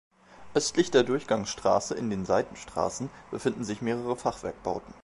Östlich der Durchgangsstraße, in den Seitenstraßen, befinden sich mehrere Fachwerkbauten.